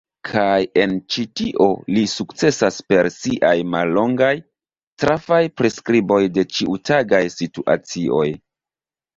Kaj en ĉi tio li sukcesas per siaj mallongaj, trafaj priskriboj de ĉiutagaj situacioj.